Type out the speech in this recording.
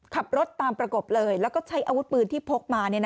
ขับรถตามประกบเลยแล้วก็ใช้อาวุธปืนที่พกมา